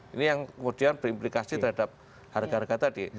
ini yang kemudian berimplikasi terhadap harga harga tadi